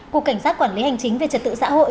cục cảnh sát quản lý hành chính về trật tự xã hội